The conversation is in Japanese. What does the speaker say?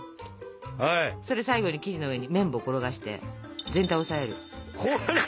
それ最後に生地の上に麺棒転がして全体を押さえる。